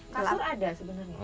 kasur ada sebenarnya